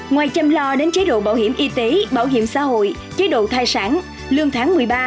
ngoài chăm lo đến chế độ bảo hiểm y tế bảo hiểm xã hội chế độ thai sản lương tháng một mươi ba